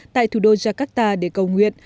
tại thủ đô jakarta để cầu nguyện